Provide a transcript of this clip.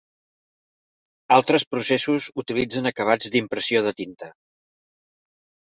Altres processos utilitzen acabats d'impressió de tinta.